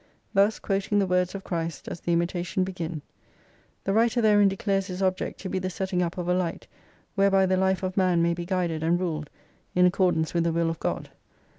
Thus, quoting the words of Christ, does the "Imitation" begin. The writer therein declares his object to be the setting up of a Light whereby the life of man may be guided and ruled in accordance with the will of God.